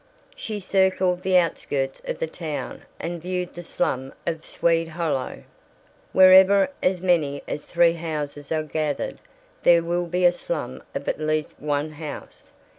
She circled the outskirts of the town and viewed the slum of "Swede Hollow." Wherever as many as three houses are gathered there will be a slum of at least one house.